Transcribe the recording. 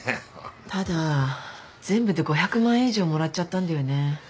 ただ全部で５００万円以上もらっちゃったんだよね。